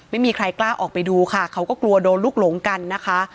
ไม่มีใครกล้าออกไปดูค่ะเขาก็กลัวโดนลูกหลงกันนะคะ